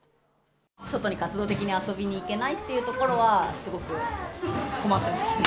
外に活動的に遊びに行けないってところは、すごく困ってますね。